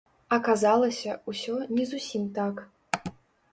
Аказалася, усё не зусім так.